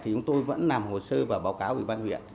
thì chúng tôi vẫn làm hồ sơ và báo cáo ủy ban huyện